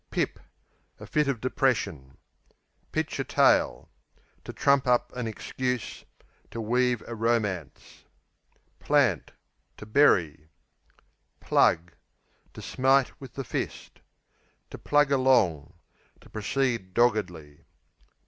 Pip A fit of depression. Pitch a tale To trump up an excuse; to weave a romance. Plant To bury. Plug To smite with the fist. Plug along, to To proceed doggedly.